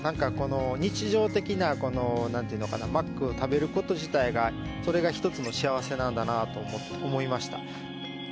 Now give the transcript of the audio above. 日常的なマックを食べること自体がそれが１つの幸せなんだなと思いました。